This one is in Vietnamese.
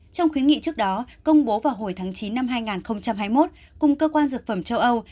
trong khuyến nghị trước đó công bố vào hồi tháng chín năm hai nghìn hai mươi một cùng cơ quan dược phẩm châu âu